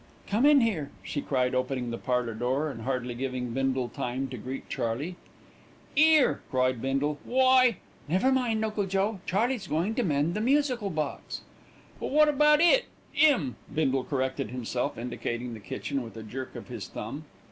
"Come in here," she cried, opening the parlour door, and hardly giving Bindle time to greet Charley. "'Ere," cried Bindle, "why ?" "Never mind, Uncle Joe, Charley's going to mend the musical box." "But wot about it 'im," Bindle corrected himself, indicating the kitchen with a jerk of his thumb.